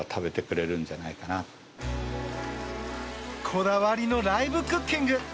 こだわりのライブクッキング。